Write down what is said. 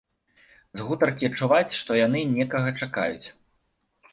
З гутаркі чуваць, што яны некага чакаюць.